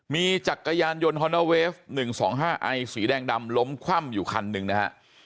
มีจักรยานยนต์ฮอนนาเวฟ๑๒๕ไอสีแดงดำล้มคว่ำอยู่คันหนึ่งนะฮะ